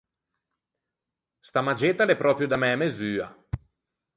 Sta maggetta a l’é pròpio da mæ mesua.